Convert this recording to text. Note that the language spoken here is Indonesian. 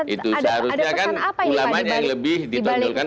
itu seharusnya kan ulamanya yang lebih ditonjolkan